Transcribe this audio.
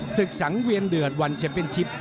ศึกสังเวียนเดือดวันแชมเป็นชิป